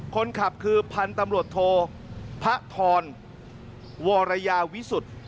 คนขับคือพันธุ์ตำรวจโทพระธรวรยาวิสุทธิ์